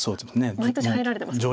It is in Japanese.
毎年入られてますよね。